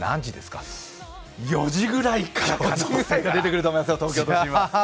４時ぐらいから出てくると思いますよ、東京都心は。